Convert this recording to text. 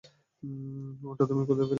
ওটা তুমি কোথায় পেলে?